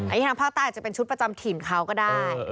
อันนี้ทางภาคใต้อาจจะเป็นชุดประจำถิ่นเขาก็ได้